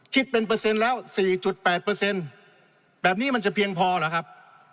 คิดเป็นเปอร์เซ็นต์แล้ว๔๘แบบนี้มันจะเพียงพอเหรอครับ